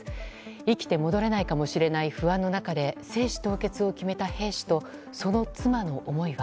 生きて戻れないかもしれない不安の中で、精子凍結を決めた兵士とその妻の思いは？